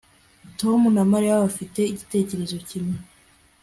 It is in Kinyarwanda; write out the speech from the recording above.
Tom na Mariya bafite igitekerezo kimwe